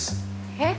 えっ？